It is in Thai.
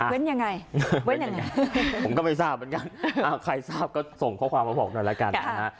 เว้นยังไงเว้นยังไงผมก็ไม่ทราบเหมือนกันใครทราบก็ส่งข้อความมาบอกหน่อยแล้วกันนะฮะ